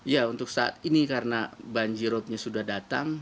ya untuk saat ini karena banjirotnya susun